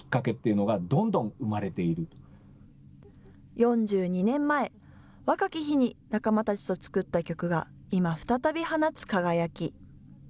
４２年前、若き日に仲間たちと作った曲が、今、再び放つ輝き。